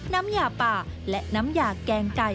น้ำยาป่าและน้ำยาแกงไก่